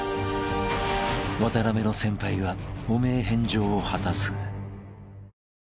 ［ワタナベの先輩が汚名返上を果たす］